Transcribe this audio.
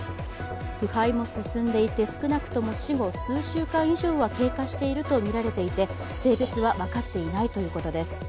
腐敗も進んでいて少なくとも死後数週間以上は経過しているとみられていて性別は分かっていないということです。